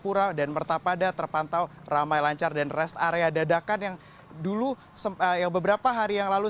di kota najapura dan mertapada terpantau ramai lancar dan rest area dadakan yang beberapa hari yang lalu